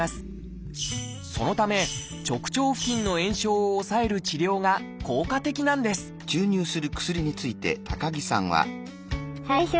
そのため直腸付近の炎症を抑える治療が効果的なんです